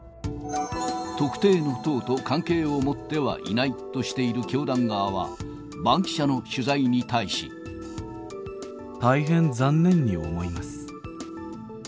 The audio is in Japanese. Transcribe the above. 特定の党と関係を持ってはいないとしている教団側は、バンキシャ大変残念に思います。